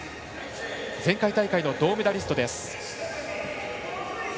前回大会の銅メダリストです。